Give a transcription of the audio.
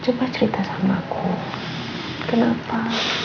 coba cerita sama kok kenapa